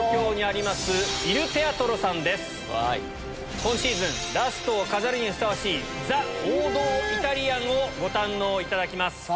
今シーズン、ラストを飾るにふさわしい、ザ・王道イタリアンをご堪能いただきます。